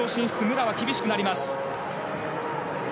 武良は厳しくなります。